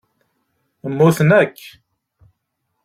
Mmuten akk.